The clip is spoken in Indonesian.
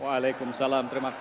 wa'alaikumussalam terima kasih